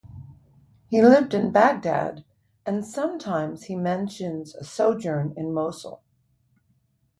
He lived in Baghdad and sometimes he mentions a sojourn in Mosul.